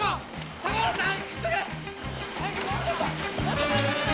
高原さん！